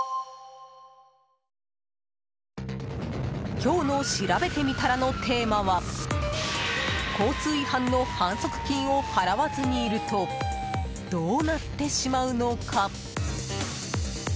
今日のしらべてみたらのテーマは交通違反の反則金を払わずにいるとどうなってしまうのか？